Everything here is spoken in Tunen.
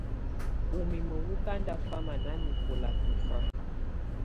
Úmimǝ́ wɔ́ ká ndáfamá nanɛkɔla tɔfa.